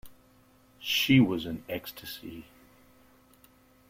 She was in ecstasy.